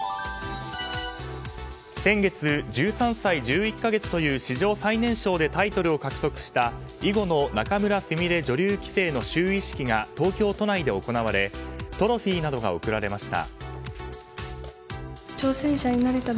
先月、１３歳１１か月という史上最年少でタイトルを獲得した囲碁の仲邑菫女流棋聖の就位式が東京都内で行われトロフィーなどが贈られました。